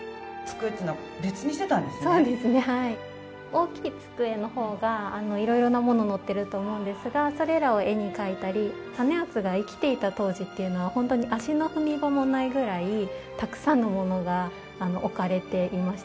大きい机のほうが色々なもののってると思うんですがそれらを絵に描いたり実篤が生きていた当時っていうのはホントに足の踏み場もないぐらいたくさんのものが置かれていました。